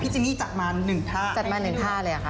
พี่จิมมี่จัดมาหนึ่งท่าจัดมาหนึ่งท่าเลยค่ะ